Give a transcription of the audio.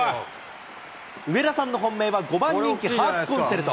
上田さんの本命は５番人気、ハーツコンチェルト。